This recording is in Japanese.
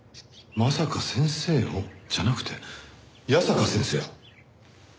「まさか先生を」じゃなくて「矢坂先生を」。